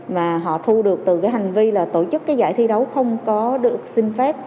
mà họ thu được từ hành vi tổ chức giải thi đấu không có được xin phép